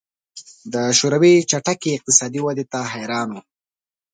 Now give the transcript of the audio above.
د شوروي چټکې اقتصادي ودې ته حیران وو